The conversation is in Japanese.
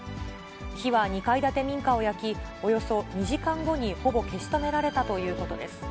火は２階建て民家を焼き、およそ２時間後にほぼ消し止められたということです。